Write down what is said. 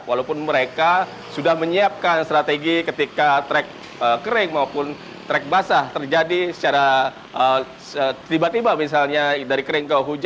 walaupun mereka sudah menyiapkan strategi ketika trek kering maupun trek basah terjadi secara tiba tiba misalnya dari kering ke hujan